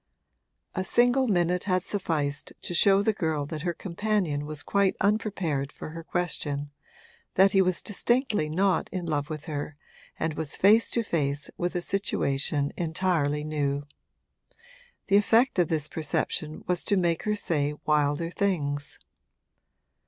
A single minute had sufficed to show the girl that her companion was quite unprepared for her question, that he was distinctly not in love with her and was face to face with a situation entirely new. The effect of this perception was to make her say wilder things.